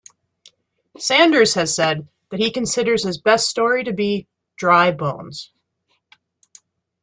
Sanders has said that he considers his best story to be "Dry Bones".